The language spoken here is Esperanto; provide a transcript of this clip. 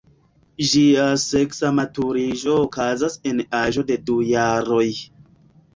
Ĝia seksa maturiĝo okazas en aĝo de du jaroj.